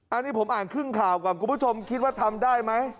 อันนี้ผมอ่านครึ่งข่าวก่อนคุณผู้ชมคิดว่าทำได้ไหม